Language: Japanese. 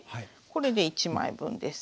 これで１枚分です。